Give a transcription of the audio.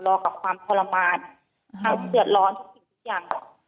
รอกับความทรมานทั้งเศรือร้อนทุกสิ่งทุกอย่าง